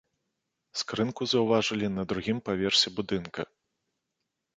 Скрынку заўважылі на другім паверсе будынка.